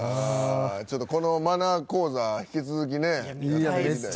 ちょっとこのマナー講座引き続きねやっていきたい。